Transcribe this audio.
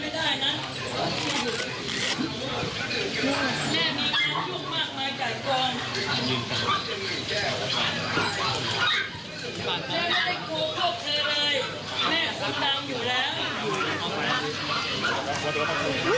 แม่ไม่ได้กลัวพวกเธอเลย